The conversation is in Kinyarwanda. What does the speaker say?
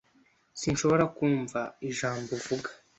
Sinshobora kumva ijambo uvuga.